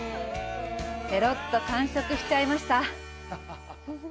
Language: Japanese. ぺろっと完食しちゃいました。